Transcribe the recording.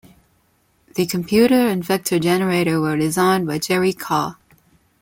The computer and vector generator were designed by Gerry Karr.